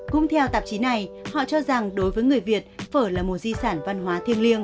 cũng theo tạp chí này họ cho rằng đối với người việt phở là một di sản văn hóa thiêng liêng